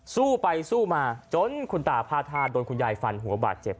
สู้ไปสู้มาจนคุณตาผ้าธาตุโดนคุณยายฟันหัวบาดเจ็บ